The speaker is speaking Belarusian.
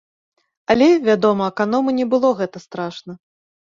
Але, вядома, аканому не было гэта страшна.